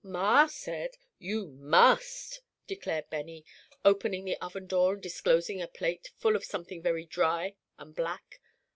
"Ma said you must," declared Benny, opening the oven door and disclosing a plate full of something very dry and black.